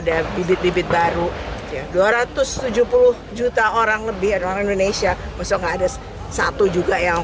ada bibit bibit baru dua ratus tujuh puluh juta orang lebih orang indonesia maksudnya ada satu juga yang